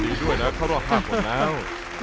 ดีด้วยนะเข้ารอบห้าคนแล้ว